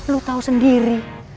lu tau sendiri